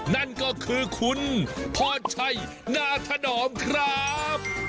นั่นก็คือคุณพรชัยนาธนอมครับ